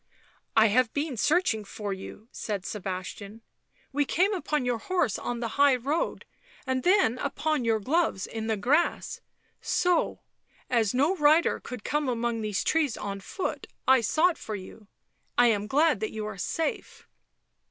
" I have been searching for you,'' said Sebastian. u We came upon your horse on the high road and then upon your gloves in the grass, so, as no rider could come among these trees, t foot I sought for you. I am glad that you are safe.